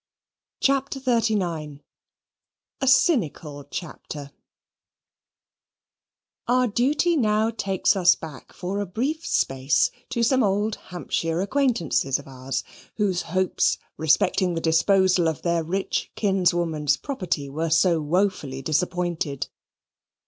CHAPTER XXXIX A Cynical Chapter Our duty now takes us back for a brief space to some old Hampshire acquaintances of ours, whose hopes respecting the disposal of their rich kinswoman's property were so woefully disappointed.